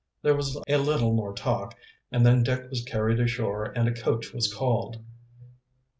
There was a little more talk, and then Dick was carried ashore and a coach was called.